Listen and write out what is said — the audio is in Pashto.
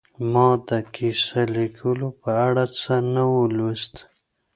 ما د کیسه لیکلو په اړه څه نه وو لوستي